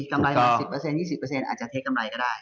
กำไรแบบ๑๐๒๐อาจจะเทคกำไรก็ได้